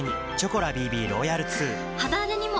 肌荒れにも！